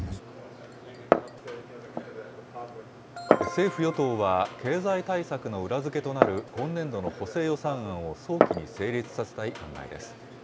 政府・与党は、経済対策の裏付けとなる今年度の補正予算案を早期に成立させたい考えです。